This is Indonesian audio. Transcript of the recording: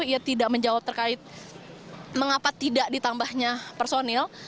ia tidak menjawab terkait mengapa tidak ditambahnya personil